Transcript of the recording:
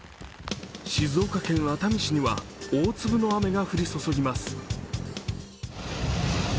静岡県熱海市には大粒の雨が降り注ぎます。